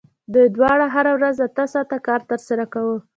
دوی دواړو هره ورځ اته ساعته کار ترسره کاوه